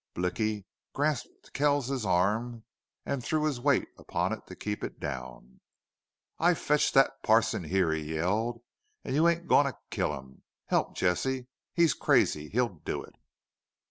Blicky grasped Kells's arm and threw his weight upon it to keep it down. "I fetched thet parson here," he yelled, "an you ain't a goin' to kill him!... Help, Jesse!... He's crazy! He'll do it!"